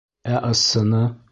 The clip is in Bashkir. Ә ысыны...